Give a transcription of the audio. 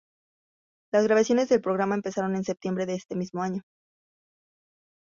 Las grabaciones del programa empezaron en septiembre de ese mismo año.